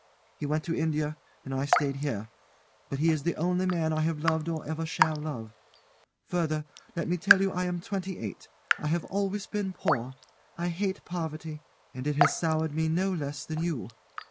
He went to India, and I stayed here; but he is the only man I have loved or ever shall love. Further, let me tell you I am twenty eight; I have always been poor I hate poverty, and it has soured me no less than you.